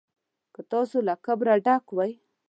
که تاسو له کبره ډک وئ.